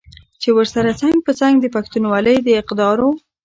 چې ورسره څنګ په څنګ د پښتونولۍ د اقدارو